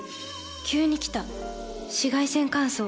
急に来た紫外線乾燥。